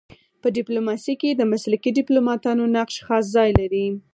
په ډيپلوماسی کي د مسلکي ډيپلوماتانو نقش خاص ځای لري.